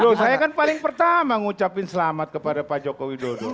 loh saya kan paling pertama ngucapin selamat kepada pak joko widodo